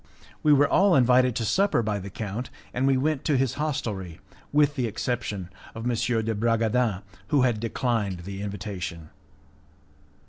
We were all invited to supper by the count, and we went to his hostelry, with the exception of M. de Bragadin, who had declined the invitation.